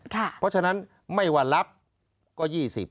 เพราะฉะนั้นไม่ว่ารับก็๒๐